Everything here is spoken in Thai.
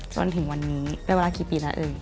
จนถึงวันนี้เป็นเวลากี่ปีแล้ว